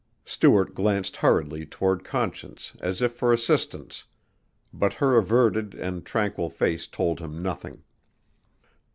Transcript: Stuart glanced hurriedly toward Conscience as if for assistance, but her averted and tranquil face told him nothing.